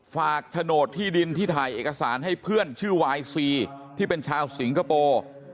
โฉนดที่ดินที่ถ่ายเอกสารให้เพื่อนชื่อวายซีที่เป็นชาวสิงคโปร์